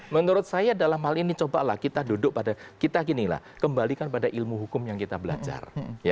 menurut saya dalam hal ini cobalah kita duduk pada kita ginilah kembalikan pada ilmu hukum yang kita belajar